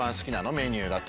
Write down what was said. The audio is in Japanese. メニューだと。